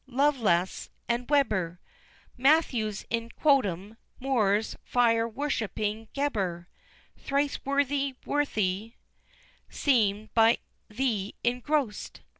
Lovelass and Weber, Matthews in Quot'em Moore's fire worshipping Gheber Thrice worthy Worthy, seem by thee engross'd!